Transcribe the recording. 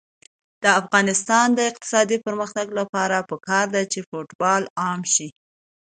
د افغانستان د اقتصادي پرمختګ لپاره پکار ده چې فوټبال عام شي.